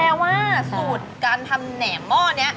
ว่าสูตรการทำแหนมหม้อนี้